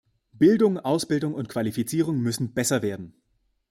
Bildung, Ausbildung und Qualifizierung müssen besser werden.